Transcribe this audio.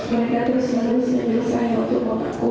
mereka terus menerus menyelesaikan untuk memantau